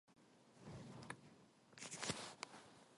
서울로 통한 길은 다른 방향인데 그 길로는 원재를 보냈던 것이다.